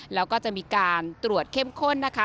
แล้วก็จะมีการตรวจเข้มข้นนะคะ